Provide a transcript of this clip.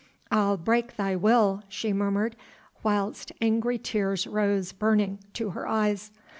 "I'll break thy will," she murmured, whilst angry tears rose, burning, to her eyes.